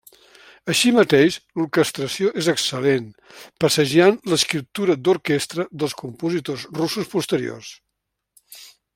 Així mateix l'orquestració és excel·lent, presagiant l'escriptura d'orquestra dels compositors russos posteriors.